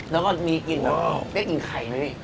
แล้วก็มีกลิ่นแบบได้กลิ่นไข่ไหมพี่